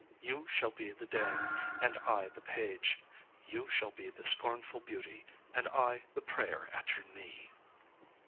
You shall be the Dame, and I the page; you shall be the scornful beauty, and I the prayer at your knee."